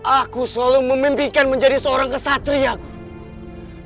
aku selalu memimpikan menjadi seorang kesatria guru